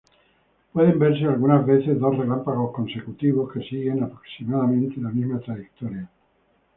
Pueden verse algunas veces dos relámpagos consecutivos que siguen aproximadamente la misma trayectoria.